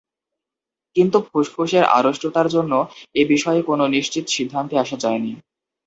কিন্তু ফুসফুসের আড়ষ্টতার জন্যে এ বিষয়ে কোনো নিশ্চিত সিদ্ধান্তে আসা যায়নি।